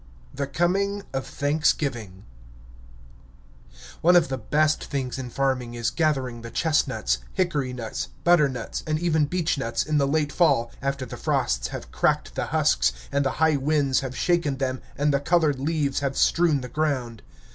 VIII. THE COMING OF THANKSGIVING One of the best things in farming is gathering the chestnuts, hickory nuts, butternuts, and even beechnuts, in the late fall, after the frosts have cracked the husks and the high winds have shaken them, and the colored leaves have strewn the ground.